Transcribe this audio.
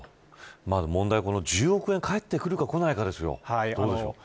問題は１０億円が返ってくるかこないかです。